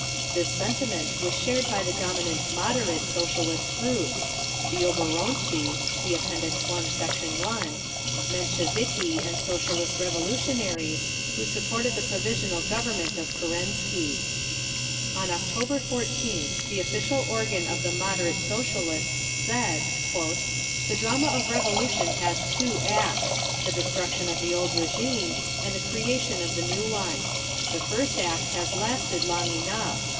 This sentiment was shared by the dominant "moderate" Socialist groups, the oborontsi (See App. I, Sect. 1) Mensheviki and Socialist Revolutionaries, who supported the Provisional Government of Kerensky. On October 14th the official organ of the "moderate" Socialists said: The drama of Revolution has two acts; the destruction of the old régime and the creation of the new one. The first act has lasted long enough.